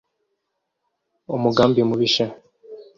Umugambi mubisha